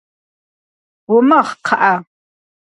Умыгъ, кхъыӏэ.